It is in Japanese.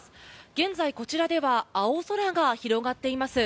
現在、こちらでは青空が広がっています。